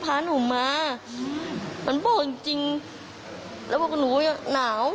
พาหนึ่งมาแบบนี้มันเปล่าจริงจริงแล้วว่าหนูณาว